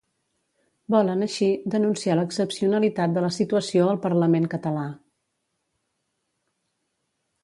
Volen, així, denunciar l'excepcionalitat de la situació al parlament català.